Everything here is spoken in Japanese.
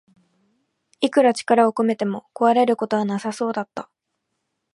いくら力を込めても壊れることはなさそうだった